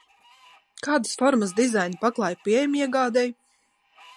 Kādas formas dizaina paklāji pieejami iegādei?